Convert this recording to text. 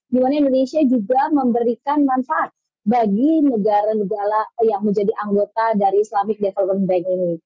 dimana indonesia juga memberikan manfaat bagi negara negara yang menjadi anggota dari islamic development bank ini